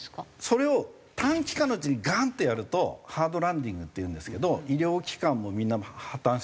それを短期間のうちにガーンってやるとハードランディングっていうんですけど医療機関もみんな破綻したりするんです。